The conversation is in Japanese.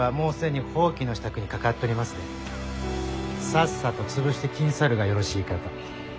さっさと潰してきんさるがよろしいかと。